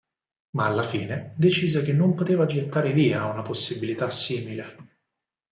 Ma alla fine decise che non poteva gettare via una possibilità simile.